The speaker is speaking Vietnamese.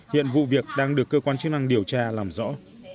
hiện vụ việc đang được cơ quan chức năng điều tra làm rõ